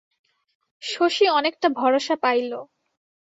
শশী আনেকটা ভরসা পাইল।